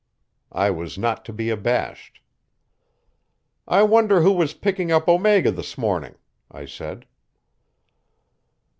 I was not to be abashed. "I wonder who was picking up Omega this morning?" I said.